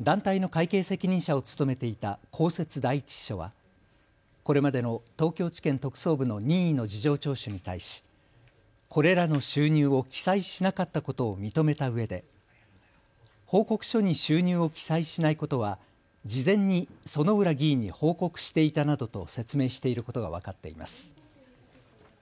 団体の会計責任者を務めていた公設第１秘書はこれまでの東京地検特捜部の任意の事情聴取に対しこれらの収入を記載しなかったことを認めたうえで報告書に収入を記載しないことは事前に薗浦議員に報告していたなどと説明していることが分かっています。